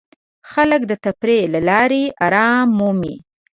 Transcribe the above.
خلک د تفریح له لارې آرام مومي.